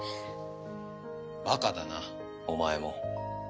バカだなお前も。